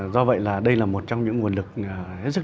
do vậy là đây là một trong những nguồn lực